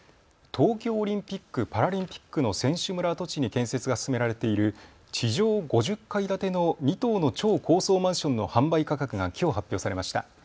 東京オリンピック・パラリンピックの選手村跡地に建設が進められている地上５０階建ての２棟の超高層マンションの販売価格がきょう発表されました。